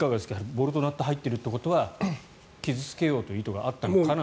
ボルト、ナットが入ってるということは傷付けようという意図があったのかなと。